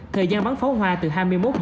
thời gian bắn pháo hoa từ hai mươi một h